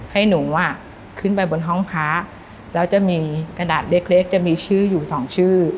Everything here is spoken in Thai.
ให้หนูอ่ะขึ้นไปบนห้องพระแล้วจะมีกระดาษเล็กจะมีชื่ออยู่สองชื่อ